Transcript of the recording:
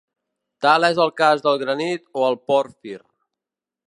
Tal és el cas del granit o el pòrfir.